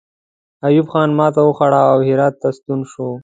ایوب خان ماته وخوړه او هرات ته ستون شو.